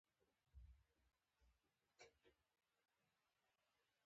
سلګونه زره کسان بندیان او شکنجه شول.